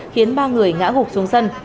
khiến ba người ngã gục xuống sân